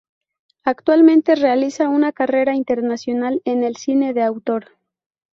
Actualmente realiza una carrera internacional en el cine de autor.